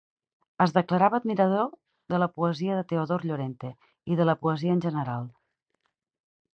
Es declarava admirador de la poesia de Teodor Llorente i de la poesia en general.